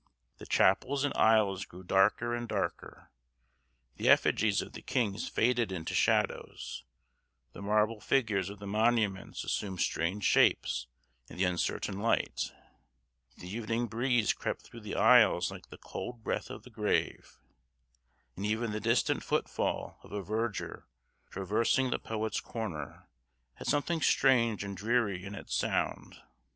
The chapels and aisles grew darker and darker. The effigies of the kings faded into shadows; the marble figures of the monuments assumed strange shapes in the uncertain light; the evening breeze crept through the aisles like the cold breath of the grave; and even the distant footfall of a verger, traversing the Poet's Corner, had something strange and dreary in its sound.